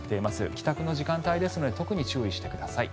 帰宅の時間帯ですので特に注意してください。